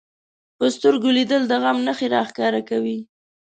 په سترګو لیدل د غم نښې راښکاره کوي